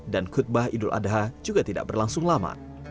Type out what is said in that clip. dan khutbah idul adha juga tidak berlangsung lama